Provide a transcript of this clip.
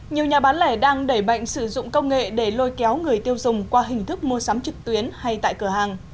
nhiều nhà bán lẻ đang đẩy bệnh sử dụng công nghệ để lôi kéo người tiêu dùng qua hình thức mua sắm trực tuyến hay tại cửa hàng